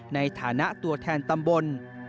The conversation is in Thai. ในฐานะตัวแทนตำบล